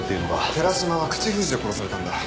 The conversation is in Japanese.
寺島は口封じで殺されたんだ。